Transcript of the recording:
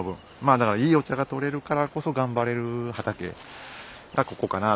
だからいいお茶がとれるからこそ頑張れる畑がここかなあ。